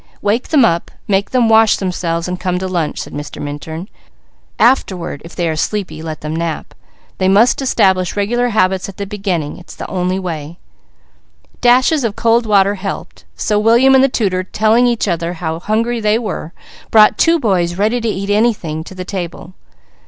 "Wake them up, make them wash themselves, and come to lunch," said Mr. Minturn. "Afterward, if they are sleepy, let them nap. They must establish regular habits at the beginning. It's the only way." Dashes of cold water helped, so William and the tutor telling each other how hungry they were, brought two boys ready to eat anything, to the table.